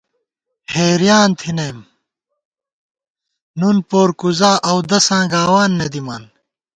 ہېریان تھنَئم نُن پور کُوزا اؤدَساں گاوان نہ دِمان